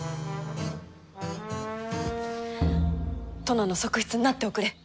殿の側室になっておくれ。